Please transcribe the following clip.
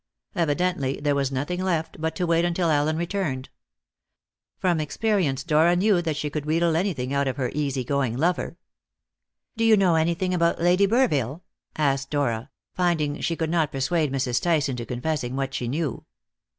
Evidently there was nothing left but to wait until Allen returned. From experience Dora knew that she could wheedle anything out of her easy going lover. "Do you know anything about Lady Burville?" asked Dora, finding she could not persuade Mrs. Tice into confessing what she knew.